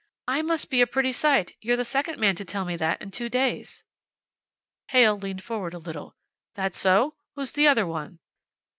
"I must be a pretty sight. You're the second man to tell me that in two days." Heyl leaned forward a little. "That so? Who's the other one?"